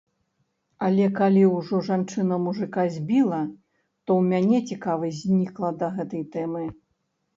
Але калі ўжо жанчына мужыка збіла, то ў мяне цікавасць знікла да гэтай тэмы.